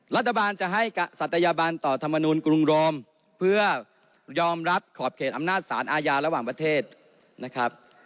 รัฐบาลจะให้ศัตยบันต่อธรรมนูลกรุงโรมเพื่อยอมรับขอบเขตอำนาจสารอาญาระหว่างประเทศนะครับ